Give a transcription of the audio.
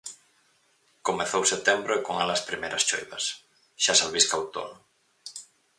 Comezou setembro e con el as primeiras choivas, xa se albisca o outono.